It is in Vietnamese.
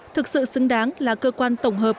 thực sự xứng đáng là cơ quan tổng hợp